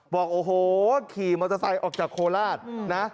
บอกโอ้โหขี่มอเตอร์ไซค์ออกจากโคราชนะ